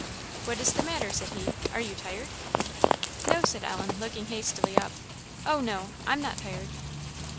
"What is the matter?" said he. "Are you tired?" "No," said Ellen, looking hastily up; "oh, no I'm not tired."